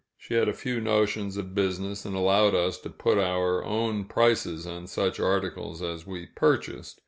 She had few notions of business, and allowed us to put our own prices on such articles as we purchased.